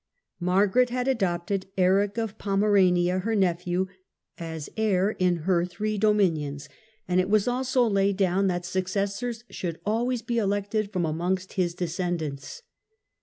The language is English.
Margaret had adopted Eric of Pomerania her nephew as heir in her three dominions, and it was also laid down that successors should always be elected from amongst his descendants.